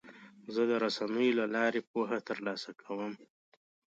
زه د رسنیو له لارې پوهه ترلاسه کوم.